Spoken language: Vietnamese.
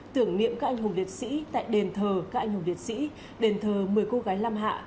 tưởng niệm các anh hùng liệt sĩ tại đền thờ các anh hùng liệt sĩ đền thờ một mươi cô gái lam hạ